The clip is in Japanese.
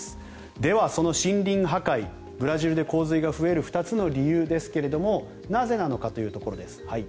では、その森林破壊ブラジルで洪水が増える２つの理由ですがなぜなのかというところです。